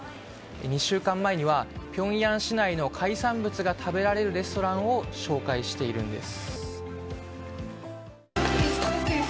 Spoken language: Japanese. ２週間前にはピョンヤン市内の海産物を食べられるレストランを紹介しているんです。